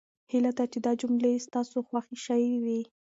هیله ده چې دا جملې ستاسو خوښې شوې وي.